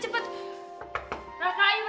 sini temen temen yuk